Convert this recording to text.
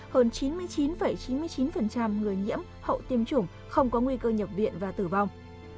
hơn chín mươi chín chín mươi chín người nhiễm hậu tiêm chủng không có nguy cơ nhập viện và tử vong